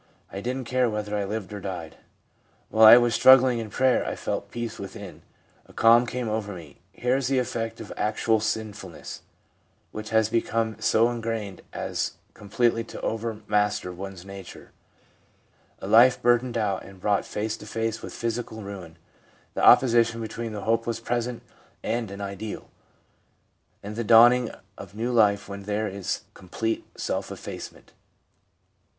" I didn't care whether I lived or died. While I was struggling in prayer I felt a peace within. A calm came over me.' Here is the effect of actual sinfulness, which has become so ingrained as completely to overmaster one's nature; a life burned out and brought face to face with physical THE MENTAL AND BODILY AFFECTIONS 87 ruin ; the opposition between the hopeless present and an ideal ; and the dawning of new life when there is complete self effacement.